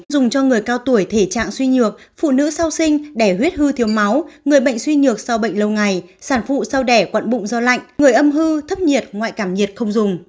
dùng cho người cao tuổi thể trạng suy nhược phụ nữ sau sinh đẻ huyết hư thiếu máu người bệnh suy nhược sau bệnh lâu ngày sản phụ sao đẻ quận bụng do lạnh người âm hưu thấp nhiệt ngoại cảm nhiệt không dùng